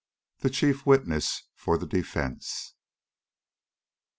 THE CHIEF WITNESS FOR THE DEFENCE.